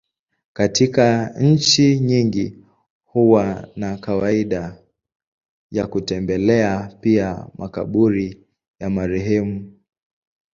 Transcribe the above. Katika nchi nyingi huwa na kawaida ya kutembelea pia makaburi ya marehemu.